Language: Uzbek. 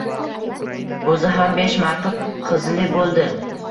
O‘zi ham besh marta qizli bo‘ldi